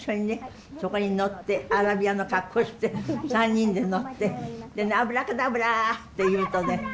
そこに乗ってアラビアの格好して３人で乗って「アブラカタブラ」って言うとね